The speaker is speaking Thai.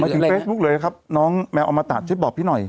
มาถึงเฟสบุ๊กน้องแมวอมตะใช้บอกพี่หน่อย